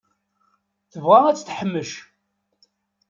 Tebɣa ad t-teḥmec.